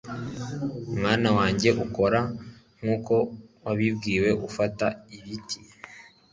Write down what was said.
Mwana wanjye ukora nkuko wabibwiwe Ufata ibiti